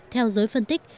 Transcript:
theo giới phân tích